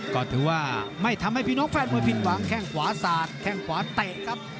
ก็ถือว่าไม่ทำให้พี่น้องแฟนมวยผิดหวังแข้งขวาสาดแข้งขวาเตะครับ